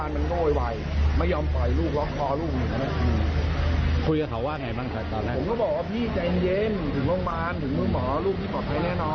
เขาไม่ยอมห่วงรถ